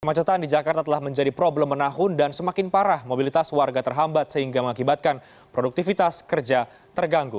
kemacetan di jakarta telah menjadi problem menahun dan semakin parah mobilitas warga terhambat sehingga mengakibatkan produktivitas kerja terganggu